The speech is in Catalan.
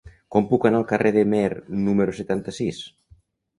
Com puc anar al carrer de Meer número setanta-sis?